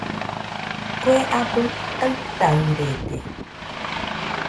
Kue abɨ taɨtaɨrede